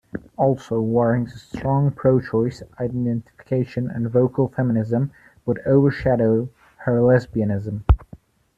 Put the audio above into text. Also, Waring's strong pro-choice identification and vocal feminism would overshadow her lesbianism.